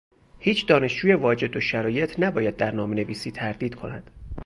هیچ دانشجوی واجد شرایط نباید در نامنویسی تردید کند.